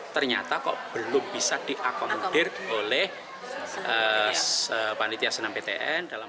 ternyata kok belum bisa diakomodir oleh panitia snmptn